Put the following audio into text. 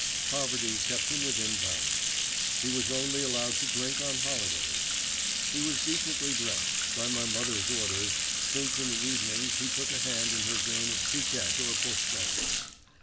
Poverty kept him within bounds. He was only allowed drink on holidays. He was decently dressed, by my mother's orders, since in the evenings he took a hand in her game of picquet or boston.